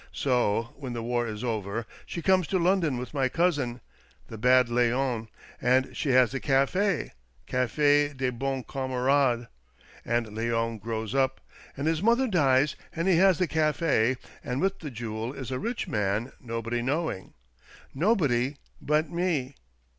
So when the war is over, she comes to London with my cousin, the bad L6on, and she has the cafe — Cafe des Bons Camarades. And Leon grows up, and his mother dies, and he has the cafe, and with the Jewel is a rich man — nobody knowing ; nobody but me.